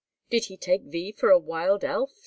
"Did he take thee for a wild elf?"